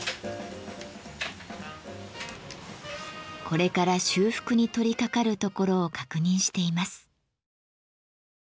これから修復に取りかかるところを確認しています。